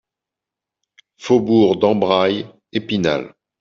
Faubourg d'Ambrail, Épinal